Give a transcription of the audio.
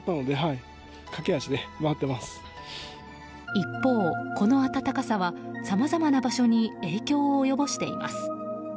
一方、この暖かさはさまざまな場所に影響を及ぼしています。